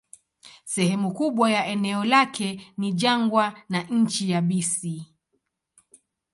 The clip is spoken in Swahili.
Sehemu kubwa ya eneo lake ni jangwa na nchi yabisi.